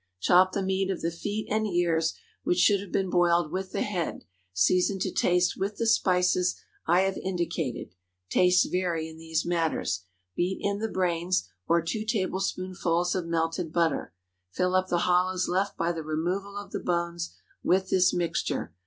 Chop the meat of the feet and ears, which should have been boiled with the head, season to taste with the spices I have indicated (tastes vary in these matters), beat in the brains, or two tablespoonfuls of melted butter. Fill up the hollows left by the removal of the bones with this mixture.